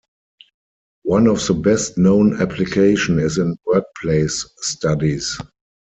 One of the best known application is in workplace studies.